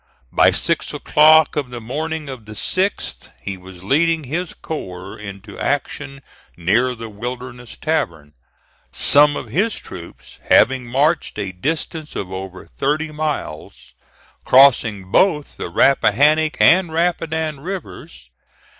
By six o'clock of the morning of the 6th he was leading his corps into action near the Wilderness Tavern, some of his troops having marched a distance of over thirty miles, crossing both the Rappahannock and Rapidan rivers.